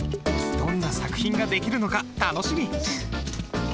どんな作品が出来るのか楽しみ。